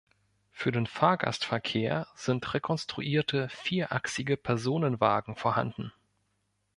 Für den Fahrgastverkehr sind rekonstruierte vierachsige Personenwagen vorhanden.